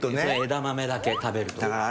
枝豆だけ食べるとか。